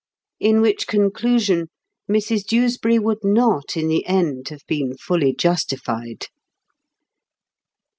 In which conclusion Mrs Dewsbury would not in the end have been fully justified.